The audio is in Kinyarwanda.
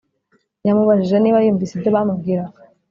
yamubajije niba yumvise ibyo bamubwiraga